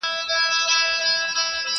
o د گران رانيول څه دي، د ارزان خرڅول څه دي!